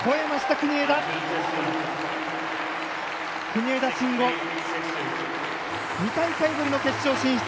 国枝慎吾、２大会ぶりの決勝進出。